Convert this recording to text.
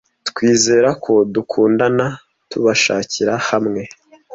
twizera ko dukundana tubashakira hamwe